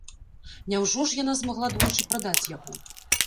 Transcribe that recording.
Няўжо ж яна змагла двойчы прадаць яго?